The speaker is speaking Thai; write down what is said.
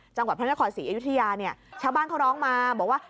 จังหวัดพระนครศรีอยุธยาเนี่ยชาวบ้านเขาร้องมาบอกว่า